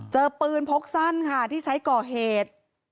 เจอปืนพกสั้นค่ะที่ใช้ก่อเหตุ